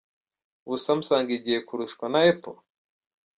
Ubu Samsung igiye kurushwa na Apple?.